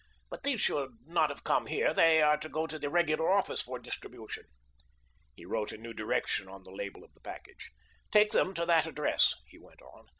But these should not have come here. They are to go to the regular office for distribution." He wrote a new direction on the label of the package: "Take them to that address," he went on.